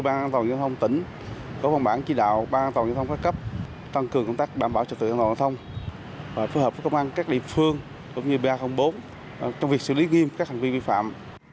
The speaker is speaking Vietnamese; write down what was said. bản bảo trật tựa ngọn giao thông phù hợp với công an các địa phương cũng như ba bốn trong việc xử lý nghiêm các hành vi vi phạm